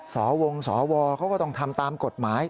สอวงสอวอเขาก็ต้องทำตามกฎหมาย